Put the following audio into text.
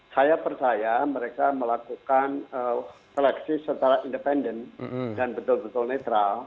saya percaya mereka melakukan seleksi secara independen dan betul betul netral